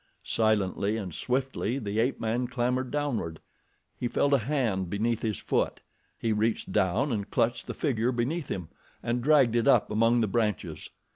Silently and swiftly the ape man clambered downward. He felt a hand beneath his foot. He reached down and clutched the figure beneath him and dragged it up among the branches.